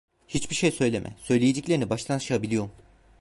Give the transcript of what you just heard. Hiçbir şey söyleme, söyleyeceklerini baştan aşağı biliyorum.